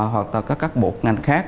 hoặc là các bộ ngành khác